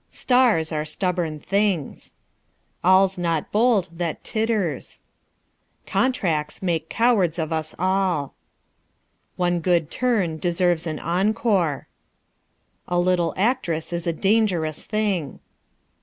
Stars are stubborn things. All's not bold that titters. Contracts make cowards of us all. One good turn deserves an encore. A little actress is a dangerous thing.